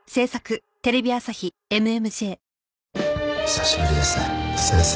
久しぶりですね先生。